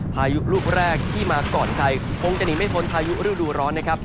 พายุลูกแรกที่มาก่อนใครคงจะหนีไม่พ้นพายุฤดูร้อนนะครับ